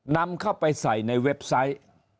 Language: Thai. นำเข้าไปใส่ในเว็บไซต์